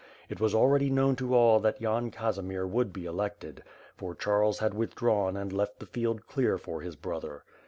It was already known to all that Yan Casimir would be elected, for Charles had withdrawn and left the field clear for his brother.